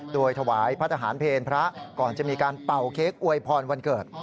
โดยถวายพระทหารเพลพระก่อนจะมีการเป่าเค้กอวยพรวันเกิด